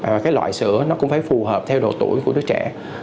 và cái loại sữa nó cũng phải phù hợp theo độ tuổi của đứa trẻ